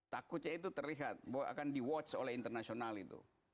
takutnya itu terlihat bahwa akan di watch oleh internasional itu